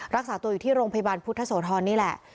รักษาตัวอยู่ที่โรงพยาบาลพุทธโสธรนี่แหละ